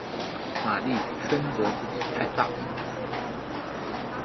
玛丽深责自己太大意。